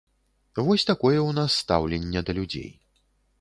Вось такое ў нас стаўленне да людзей.